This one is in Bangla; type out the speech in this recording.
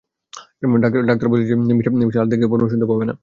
ডাক্তার বলেছেন যে মিশেল আর দেখতেও পাবে না শুনতেও পাবে না।